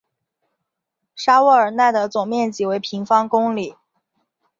沙沃尔奈的总面积为平方公里。